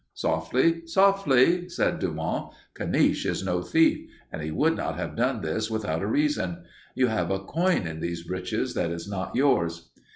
"'Softly, softly,' said Dumont. 'Caniche is no thief, and he would not have done this without a reason. You have a coin in these breeches that is not yours.'